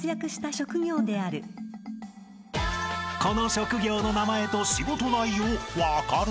［この職業の名前と仕事内容分かる？］